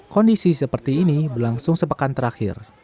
kondisi seperti ini berlangsung sepekan terakhir